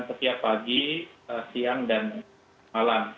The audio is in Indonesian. setiap pagi siang dan malam